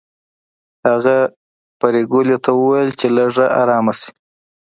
هغه پريګلې ته وویل چې لږه ارامه شي